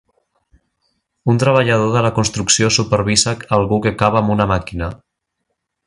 Un treballador de la construcció supervisa algú que cava amb una màquina.